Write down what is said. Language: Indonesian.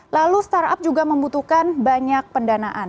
lalu startup juga membutuhkan banyak pendanaan